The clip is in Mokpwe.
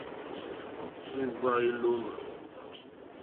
Íŋɡbâ ílómà.